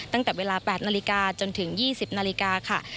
ตั้งแต่เวลา๘นาฬิกาจนถึง๒๐นาฬิกาค่ะ